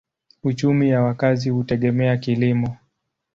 Uchumi ya wakazi hutegemea kilimo.